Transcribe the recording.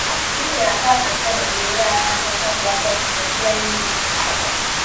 Lakini ni hasa katika mazingira haya tasa kwamba tabia hii ni faida.